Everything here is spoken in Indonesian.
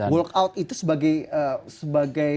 walk out itu sebagai